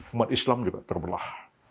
umat islam juga terbelah